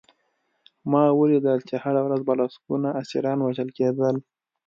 ما ولیدل چې هره ورځ به لسګونه اسیران وژل کېدل